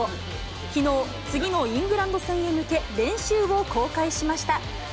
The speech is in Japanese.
きのう、次のイングランド戦へ向け、練習を公開しました。